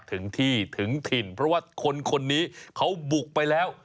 ถึงที่ถึงถิ่นเพราะว่าคนคนนี้เขาบุกไปแล้ว